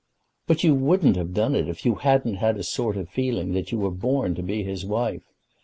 "But you wouldn't have done it, if you hadn't had a sort of feeling that you were born to be his wife.